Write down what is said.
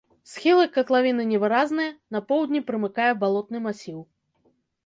Схілы катлавіны невыразныя, на поўдні прымыкае балотны масіў.